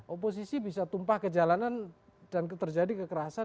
oposisi bisa tumpah ke jalanan dan terjadi kekerasan